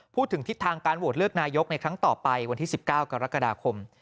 ทิศทางการโหวตเลือกนายกในครั้งต่อไปวันที่๑๙กรกฎาคม